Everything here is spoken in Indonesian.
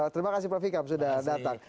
terima kasih prof ikam sudah datang